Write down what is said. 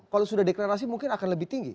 kalau sudah deklarasi mungkin akan lebih tinggi